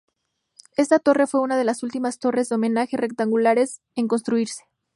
Esta torre fue una de las últimas torres del homenaje rectangulares en construirse.